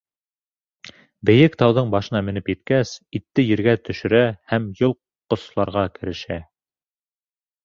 Бейек тауҙың башына менеп еткәс, итте ергә төшөрә һәм йолҡҡосларға керешә.